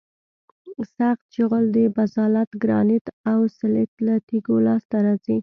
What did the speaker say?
سخت جغل د بزالت ګرانیت او سلیت له تیږو لاسته راځي